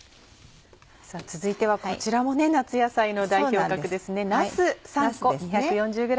続いてはこちらも夏野菜の代表格ですね。